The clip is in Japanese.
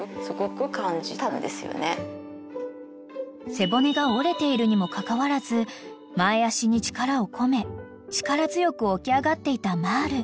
［背骨が折れているにもかかわらず前脚に力を込め力強く起き上がっていたマール］